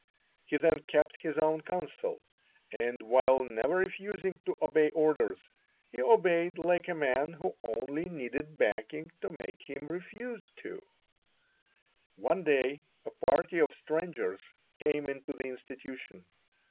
He then kept his own counsel, and while never refusing to obey orders, he obeyed like a man who only needed backing to make him refuse to. One day, a party of strangers came into the institution.